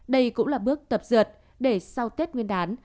đây cũng là bước tập dượt để sau tết nguyên đán